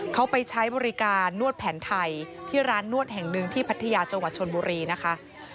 เขาไปใช้บริการนวดแผนไทยที่ร้านนวดแห่งหนึ่งที่พัทยาจังหวัดชนบุรีนะคะ